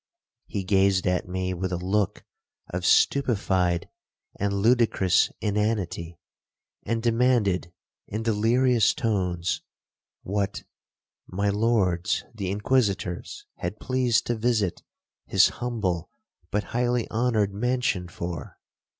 He gazed at me with a look of stupified and ludicrous inanity, and demanded in delirious tones, what 'my lords the Inquisitors had pleased to visit his humble but highly honoured mansion for?'